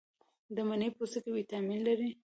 د مڼې پوستکي ویټامین لري.